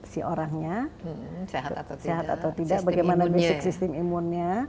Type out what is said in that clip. si orangnya sehat atau tidak bagaimana basic sistem imunnya